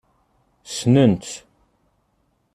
Ssnent-t.